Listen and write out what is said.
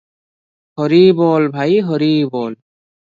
ହରିବୋଲ ଭାଇ ହରିବୋଲ ।